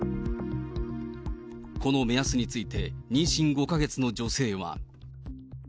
この目安について、妊娠５か月の女性は。